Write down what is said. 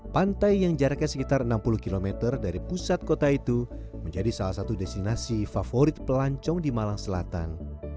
pantai yang jaraknya sekitar enam puluh km dari pusat kota itu menjadi salah satu destinasi favorit pelancong di malang selatan